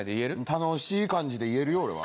楽しい感じで言えるよ俺は。